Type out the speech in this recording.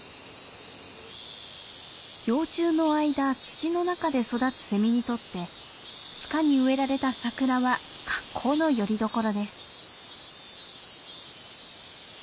幼虫の間土の中で育つセミにとって塚に植えられたサクラは格好のよりどころです。